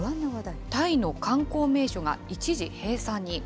タイの観光名所が一時閉鎖に。